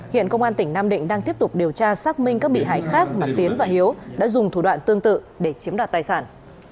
hiện công an tỉnh nam định đang tiếp tục điều tra xác minh các bị hại khác mà tiến và hiếu đã dùng thủ đoạn tương tự để chiếm đoạt tài sản